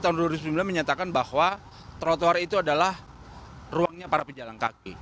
undang undang lalu lintas nomor dua puluh dua tahun dua ribu sembilan menyatakan bahwa trotoar itu adalah ruangnya para pejalan kaki